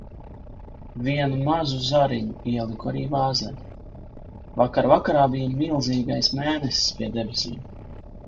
Vienu mazu zariņu ieliku arī vāzē. Vakar vakarā bija milzīgais mēness pie debesīm.